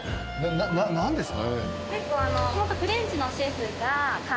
何ですか？